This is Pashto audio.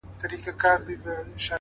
هره لاسته راوړنه له ژمنتیا پیاوړې کېږي’